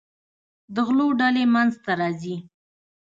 د غلو ډلې منځته راځي.